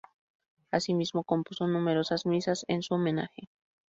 Asimismo, compuso numerosas misas en su homenaje.